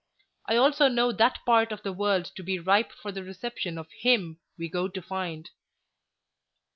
I also know that part of the world to be ripe for the reception of Him we go to find."